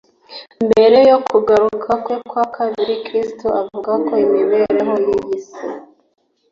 mbere yo kugaruka kwe kwa kabiri. Kristo avuga ko imibereho y'iyi si